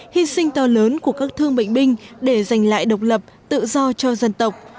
hy sinh to lớn của các thương bệnh binh để giành lại độc lập tự do cho dân tộc